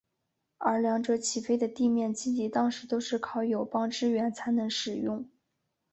而两者起飞的地面基地当时都是靠友邦支援才能使用。